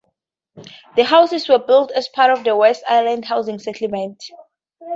The houses were built as part of the West Island housing settlement.